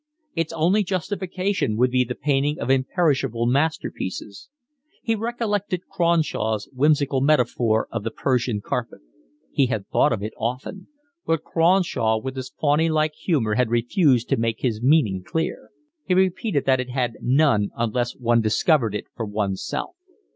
Its only justification would be the painting of imperishable masterpieces. He recollected Cronshaw's whimsical metaphor of the Persian carpet; he had thought of it often; but Cronshaw with his faun like humour had refused to make his meaning clear: he repeated that it had none unless one discovered it for oneself.